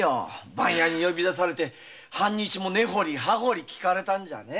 番屋に呼びだされて半日も根掘り葉掘り訊かれたんじゃね。